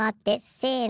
「せの！」